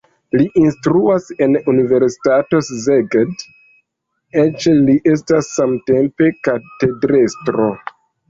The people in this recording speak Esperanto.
Li instruas en universitato Szeged, eĉ li estas samtempe katedrestro.